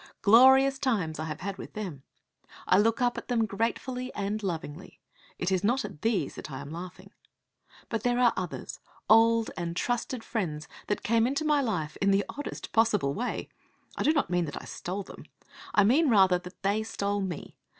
Glorious times I have had with them. I look up at them gratefully and lovingly. It is not at these that I am laughing. But there are others, old and trusted friends, that came into my life in the oddest possible way. I do not mean that I stole them. I mean rather that they stole me.